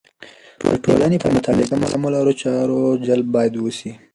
د ټولنې په مطالعه کې د سمو لارو چارو جلب باید وسي.